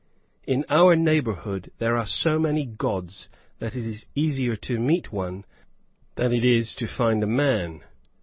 In our neighborhood, there are so many gods that it is easier to meet one than it is to find a man!